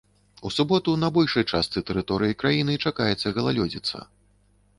У суботу на большай частцы тэрыторыі краіны чакаецца галалёдзіца.